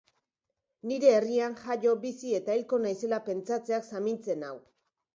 Nire herrian jaio, bizi eta hilko naizela pentsatzeak samintzen nau.